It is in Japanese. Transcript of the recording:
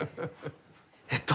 えっと